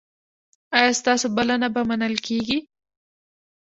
ایا ستاسو بلنه به منل کیږي؟